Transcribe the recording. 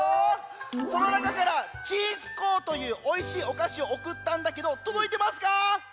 そのなかからちんすこうというおいしいおかしをおくったんだけどとどいてますか？